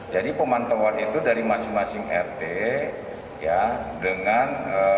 jadi pemantauan itu dari masing masing rt ya dengan